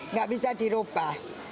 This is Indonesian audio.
nggak bisa diubah